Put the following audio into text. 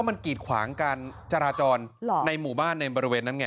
มันกีดขวางการจราจรในหมู่บ้านในบริเวณนั้นไง